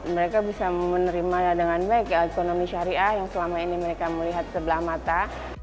mereka bisa menerimanya dengan baik ekonomi syariah yang selama ini mereka melihat sebelah mata